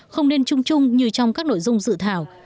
không nên chung chung như trong các nội dung dự thảo